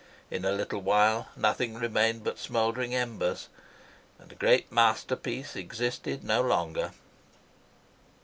In a little while nothing remained but smouldering embers, and a great masterpiece existed no longer.